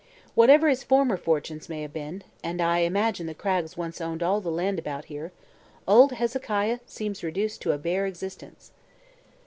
Whatever his former fortunes may have been and I imagine the Craggs once owned all the land about here old Hezekiah seems reduced to a bare existence."